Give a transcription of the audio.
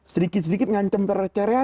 sedikit sedikit ngancam tercerai